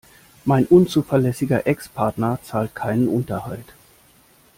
Mein unzuverlässiger Ex-Partner zahlt keinen Unterhalt.